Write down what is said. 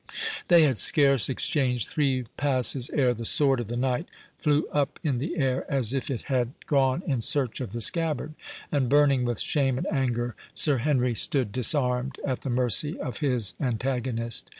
They had scarce exchanged three passes ere the sword of the knight flew up in the air, as if it had gone in search of the scabbard; and burning with shame and anger, Sir Henry stood disarmed, at the mercy of his antagonist.